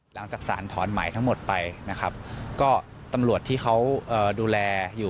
หลังจากสารถอนหมายทั้งหมดไปนะครับก็ตำรวจที่เขาดูแลอยู่